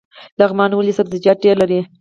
لغمان ولې سبزیجات ډیر لري؟